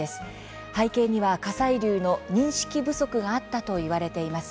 背景には火砕流の認識不足があったといわれています。